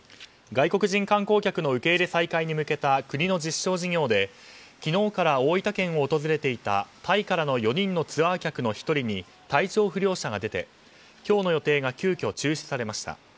外国人観光客の受け入れ再開に向けた国の実証事業で昨日から大分県を訪れていたタイからの４人のツアー客の１人に体調不良者が出て今日の予定が急きょ中止されました。